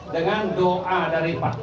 dengan doa dari pak